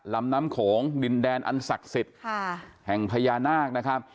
ลำน้ำโขงดินแดนอันศักดิ์สิทธิ์แห่งพญานาคนะครับ